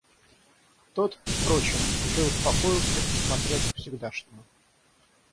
Тот, впрочем, уже успокоился и смотрел по-всегдашнему.